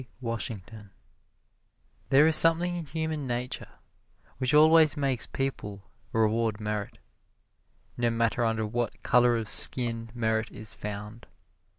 WASHINGTON There is something in human nature which always makes people reward merit, no matter under what color of skin merit is found.